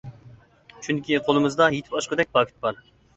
چۈنكى قولىمىزدا يىتىپ ئاشقۇدەك پاكىت بار.